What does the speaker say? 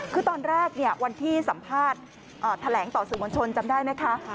คือตอนแรกวันที่สัมภาษณ์แถลงต่อสื่อมวลชนจำได้ไหมคะ